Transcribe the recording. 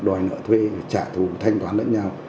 đòi nợ thuê trả thù thanh toán lẫn nhau